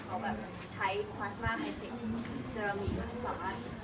เขาแบบใช้ควาสมาไฮเทคเซรามีอันสาร